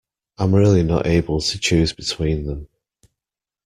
I'm really not able to choose between them.